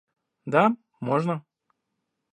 Да, можно